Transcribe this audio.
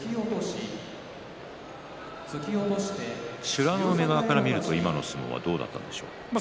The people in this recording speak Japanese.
美ノ海側から見ると今の相撲どうだったですか。